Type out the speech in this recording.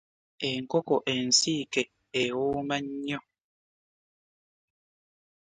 Enkoko ensiike ewooma nnyo.